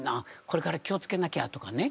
これから気を付けなきゃとかね。